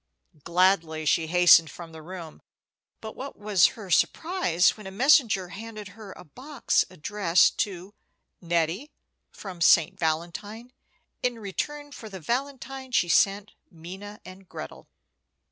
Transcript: Gladly she hastened from the room; but what was her surprise when a messenger handed her a box addressed to "Nettie, from St. Valentine, in return for the valentine she sent Minna and Gretel."